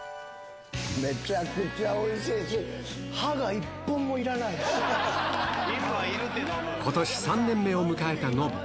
めちゃくちゃおいしいし、ことし３年目を迎えたノブ。